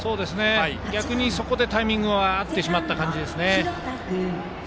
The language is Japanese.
逆にそこでタイミングが合ってしまったような感じですね。